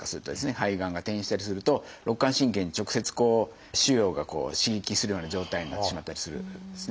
肺がんが転移したりすると肋間神経に直接腫瘍が刺激するような状態になってしまったりするんですね。